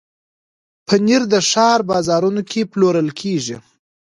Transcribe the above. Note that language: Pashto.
پنېر د ښار بازارونو کې پلورل کېږي.